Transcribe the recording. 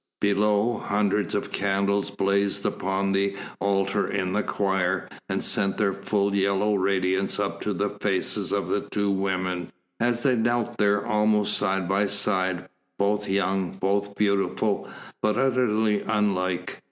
Below, hundreds of candles blazed upon the altar in the choir and sent their full yellow radiance up to the faces of the two women, as they knelt there almost side by side, both young, both beautiful, but utterly unlike.